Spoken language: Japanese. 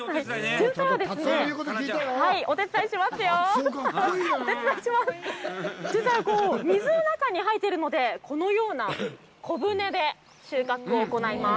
ジュンサイは水の中に生えてるので、このような小舟で収穫を行います。